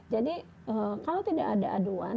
jadi kalau tidak ada aduan